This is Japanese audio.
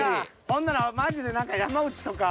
ほんならマジで山内とか。